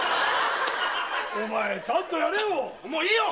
お前ちゃんとやれよ！